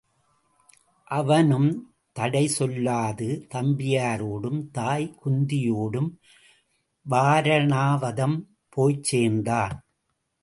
அவனும் தடை சொல்லாது தம்பியரோடும் தாய் குந்தி யோடும் வாரணாவதம் போய்ச்சேர்ந்தான்.